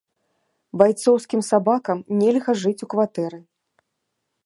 Байцоўскім сабакам нельга жыць у кватэры!